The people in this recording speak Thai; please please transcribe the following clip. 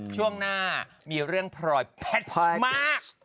ช่วงหน้ามีเรื่องพรอยแพทย์มาก